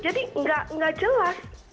jadi nggak jelas